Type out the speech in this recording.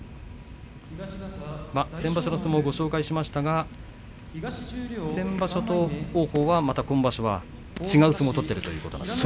先場所の相撲をご紹介しましたが先場所と王鵬は違う相撲を取っているということですね。